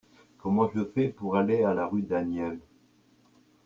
Comment je fais pour aller à la rue Daniel ?